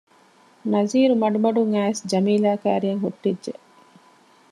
ނަޒީރު މަޑުމަޑުން އައިސް ޖަމީލާ ކައިރިއަށް ހުއްޓިއްޖެ